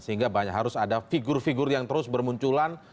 sehingga banyak harus ada figur figur yang terus bermunculan